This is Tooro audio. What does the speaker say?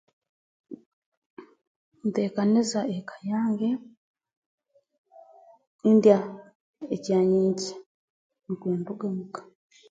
Nteekaniza eka yange ndya ekyanyenkya nukwo nduga muka